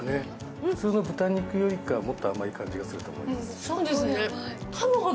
普通の豚肉よりかもっと甘い感じがすると思います。